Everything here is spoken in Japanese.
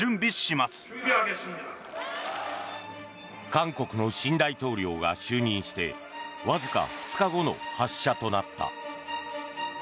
韓国の新大統領が就任してわずか２日後の発射となった。